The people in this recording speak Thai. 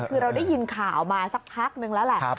คือเราได้ยินข่าวมาสักพักนึงแล้วแหละ